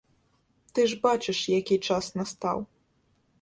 Ты ж бачыш, які час настаў.